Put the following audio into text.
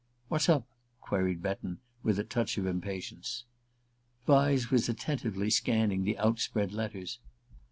"What's up?" queried Betton, with a touch of impatience. Vyse was attentively scanning the outspread letters.